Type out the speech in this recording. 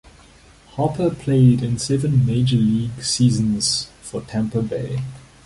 Harper played in seven major league seasons for Tampa Bay.